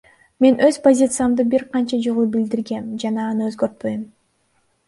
Мен өз позициямды бир канча жолу билдиргем жана аны өзгөртпөйм.